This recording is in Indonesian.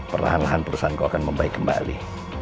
perlahan lahan perusahaanku akan membaik kembali